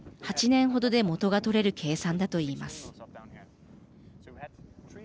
８年程で元が取れる計算だと言います。